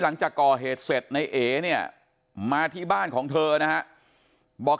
หลังจากก่อเหตุเสร็จในเอเนี่ยมาที่บ้านของเธอนะฮะบอก